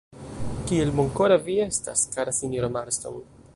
Kiel bonkora vi estas, kara sinjoro Marston!